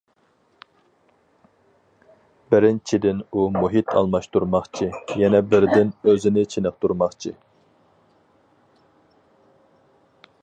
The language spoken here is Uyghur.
بىرىنچىدىن ئۇ مۇھىت ئالماشتۇرماقچى، يەنە بىردىن ئۆزىنى چېنىقتۇرماقچى.